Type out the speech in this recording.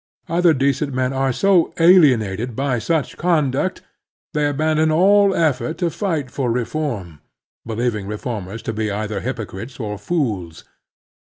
Other decent men are so alienated by such conduct that in their turn they abandon all effort to fight for reform, believing reformers to be either hypocrites or fools.